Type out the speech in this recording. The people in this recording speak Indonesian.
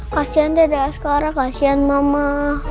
kasian dada askara kasian mama